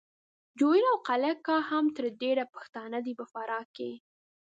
جوین او قلعه کا هم تر ډېره پښتانه دي په فراه کې